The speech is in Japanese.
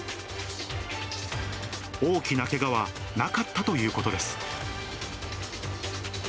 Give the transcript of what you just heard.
大きなけがはなかったということです。